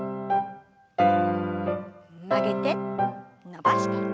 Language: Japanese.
曲げて伸ばして。